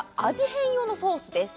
変用のソースです